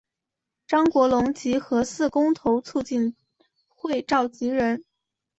张国龙及核四公投促进会召集人。